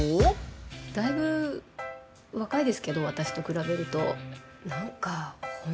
だいぶ若いですけど私と比べると。